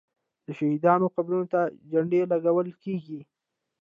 د شهیدانو قبرونو ته جنډې لګول کیږي.